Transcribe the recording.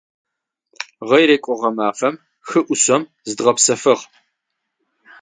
Гъэрекӏо гъэмафэм хы ӏушъом зыдгъэпсэфыгъ.